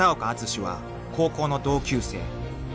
篤史は高校の同級生］